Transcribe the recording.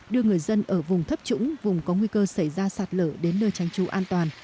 đưa người dân ở vùng thấp trũng vùng có nguy cơ xảy ra sạt lở đến nơi tránh trú an toàn